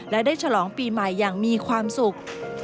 และได้ฉลองปีใหม่อย่างมีความสุข